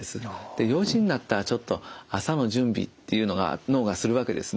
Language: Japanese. で４時になったらちょっと朝の準備っていうのが脳がするわけですね。